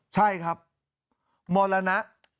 ใช่ครับมรณะ